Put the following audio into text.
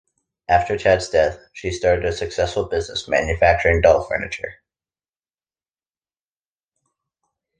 After Tad's death, she started a successful business manufacturing doll furniture.